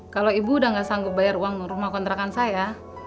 kalau ibu udah gak sanggup bayar uang rumah kontrakan saya